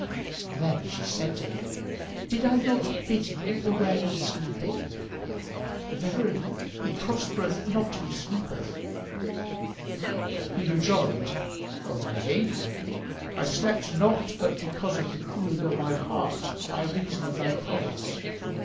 Then said she to him, "Did I not bid thee beware of sleeping? Verily, he prospereth not who sleepeth." He rejoined, "O my lady, I slept not but because of the cooling of my heart by reason of thy promise.